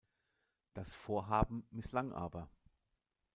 Das Vorhaben misslang aber.